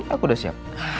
aku udah siap